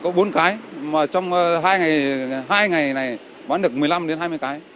bốn cái mà trong hai ngày này bán được một mươi năm hai mươi cái